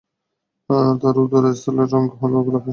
তার উদয় স্থলের রঙ হলো গোলাপী।